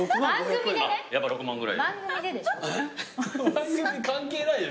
番組関係ない。